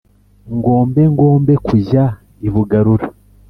ngombe ngombe kujya i bugarura